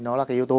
nó là cái yếu tố